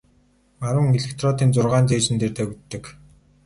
Арван электродын зургаа нь цээжин дээр тавигддаг.